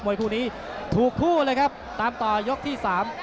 โดยเมื่อยี้คู่นี้ถูกผู้เลยครับตามต่อยกที่๓